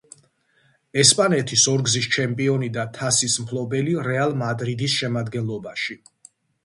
ესპანეთის ორგზის ჩემპიონი და თასის მფლობელი „რეალ მადრიდის“ შემადგენლობაში.